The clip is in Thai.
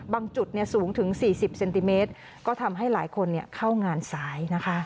บางจุดสูงถึง๔๐เซนติเมตรก็ทำให้หลายคนเข้างานสายนะคะ